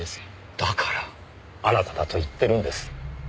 だからあなただと言ってるんです。